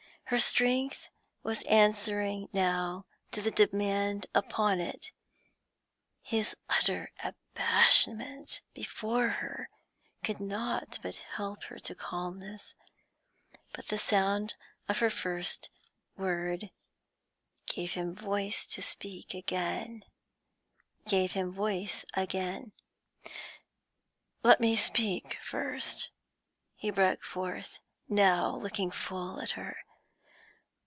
Her strength was answering now to the demand upon it; his utter abashment before her could not but help her to calmness. But the sound of her first word gave him voice again. 'Let me speak first,' he broke forth, now looking full at her.